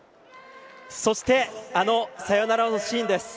そして、サヨナラのシーンです。